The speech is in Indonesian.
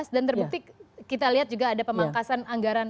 dan terbukti kita lihat juga ada pemangkasan anggaran